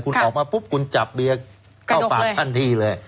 คุณออกมาปุ๊บคุณจับเบียนกระดกเลยเข้าปากทั้นที่เลยอ่ะ